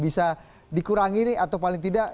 bisa dikurangi nih atau paling tidak